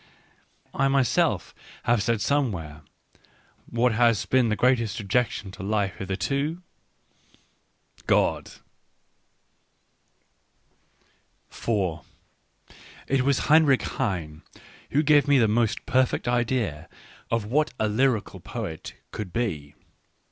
I myself have said somewhere — What has been the greatest objection to Life hitherto ?— God. It was Heinrich Heine who gave me the most perfect idea of what a lyrical poet could be.